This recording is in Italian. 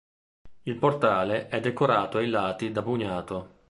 Il portale è decorato ai lati da bugnato.